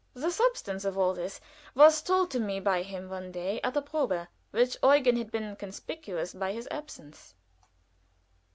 The substance of all this was told me by him one day at a probe, where Eugen had been conspicuous by his absence.